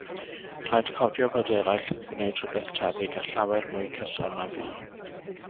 Rhaid cofio bod eraill yn gwneud rhywbeth tebyg a llawer mwy cyson na fi.